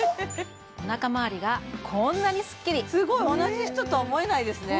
お腹周りがこんなにスッキリすごい同じ人とは思えないですね